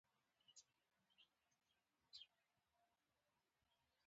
هغې سږمې وپړسولې.